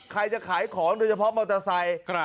ใครจะขายของโดยเฉพาะมอเตอร์ไซค์